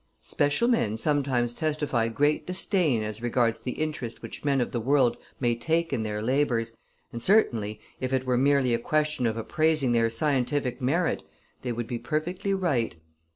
"Special men sometimes testify great disdain as regards the interest which men of the world may take in their labors, and, certainly, if it were merely a question of appraising their scientific merit, they would be perfectly right.